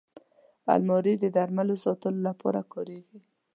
الماري د درملو ساتلو لپاره کارېږي